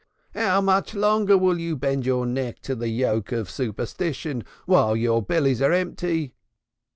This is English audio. How much longer will you bend your neck to the yoke of superstition while your bellies are empty?